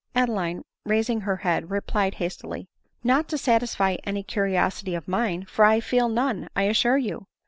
Adeline, raising her head, replied hastily — "Not to satisfy any curiosity of mine ; for I feel none, I assure you."